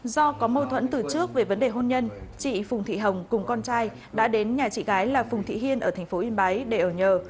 do có mâu thuẫn từ trước về vấn đề hôn nhân chị phùng thị hồng cùng con trai đã đến nhà chị gái là phùng thị hiên ở tp yên bái để ở nhờ